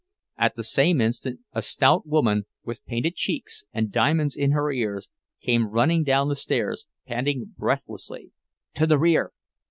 At the same instant a stout woman, with painted cheeks and diamonds in her ears, came running down the stairs, panting breathlessly: "To the rear!